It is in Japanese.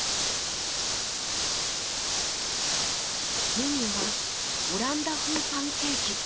メニューはオランダ風パンケーキ。